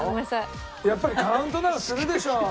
やっぱりカウントダウンするでしょ！